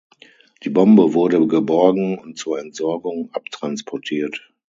Die Bombe wurde geborgen und zur Entsorgung abtransportiert.